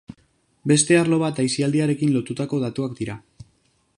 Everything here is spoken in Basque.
Beste arlo bat aisialdiarekin lotutako datuak dira.